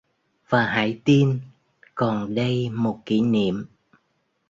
Và hãy tin: còn đây một kỷ niệm